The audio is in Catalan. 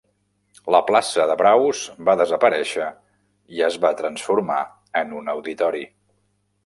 La plaça de braus va desaparèixer i es va transformar en un auditori.